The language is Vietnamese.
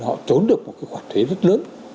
họ trốn được một cái khoản thuế rất lớn